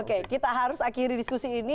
oke kita harus akhiri diskusi ini